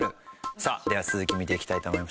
さあでは続き見て頂きたいと思います。